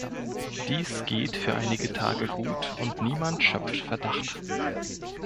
Dies geht für einige Tage gut und niemand schöpft Verdacht.